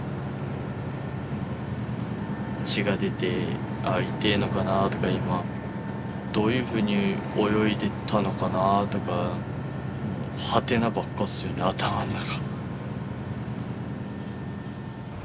血が出てああいてえのかなあとか今どういうふうに泳いでたのかなあとかはてなばっかっすよね頭の中。